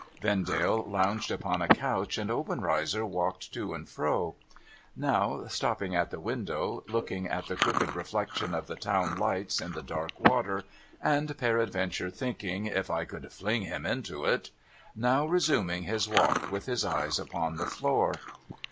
Vendale lounged upon a couch, and Obenreizer walked to and fro : now, stopping at the window, looking at the crooked reflection of the town lights in the dark water (and peradventure thinking, ' If I could fling him into it !'); now, resuming his walk with his eyes upon the floor.